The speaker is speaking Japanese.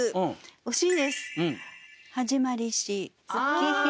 惜しいです。